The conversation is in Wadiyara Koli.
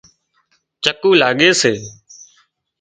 چڪُولاڳي سي